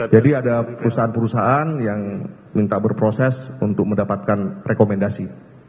jadi ada perusahaan perusahaan yang minta berproses untuk mendapatkan rekomendasi